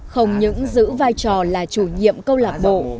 không những giữ vai trò là chủ nhiệm câu lạc bộ